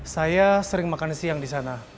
saya sering makan siang di sana